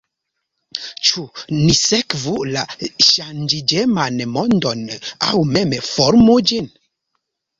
Ĉu ni sekvu la ŝanĝiĝeman mondon aŭ mem formu ĝin?